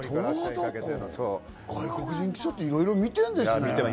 外国人記者っていろいろ見てるんですね。